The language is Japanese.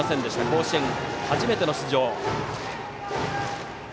甲子園初めての出場。